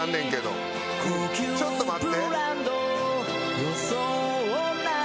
ちょっと待って。